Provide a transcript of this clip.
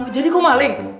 jadi kau maling